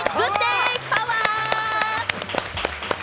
パワー！